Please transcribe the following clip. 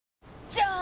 じゃーん！